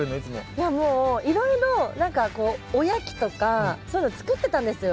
いやもういろいろ何かこうおやきとかそういうの作ってたんですよ。